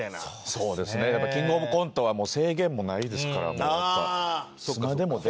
そうですねやっぱキングオブコントはもう制限もないですからもうやっぱ。